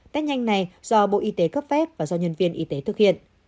test nhanh này do bộ y tế cấp phép và do nhân viên y tế thực hiện